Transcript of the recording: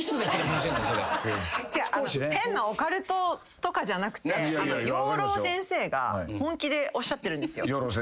変なオカルトとかじゃなくて養老先生が本気でおっしゃってるんですよ。